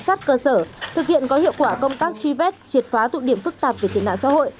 công an thành phố hà giang tiếp tục bám sát cơ sở thực hiện có hiệu quả công tác truy vết triệt phá tụ điểm phức tạp về thiện nạn xã hội